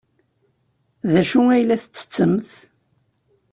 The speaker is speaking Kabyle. D acu ay la tettettemt?